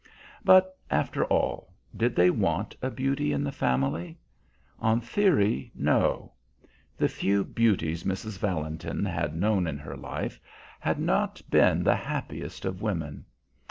But, after all, did they want a beauty in the family? On theory, no: the few beauties Mrs. Valentin had known in her life had not been the happiest of women.